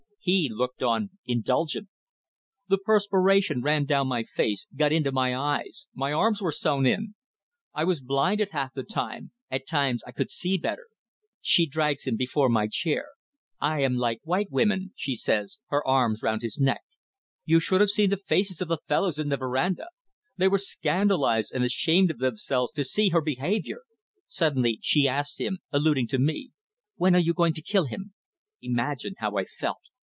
He looked on, indulgent. The perspiration ran down my face, got into my eyes my arms were sewn in. I was blinded half the time; at times I could see better. She drags him before my chair. 'I am like white women,' she says, her arms round his neck. You should have seen the faces of the fellows in the verandah! They were scandalized and ashamed of themselves to see her behaviour. Suddenly she asks him, alluding to me: 'When are you going to kill him?' Imagine how I felt.